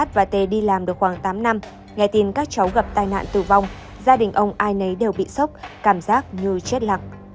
và t đi làm được khoảng tám năm ngày tìm các cháu gặp tai nạn tử vong gia đình ông ai nấy đều bị sốc cảm giác như chết lặng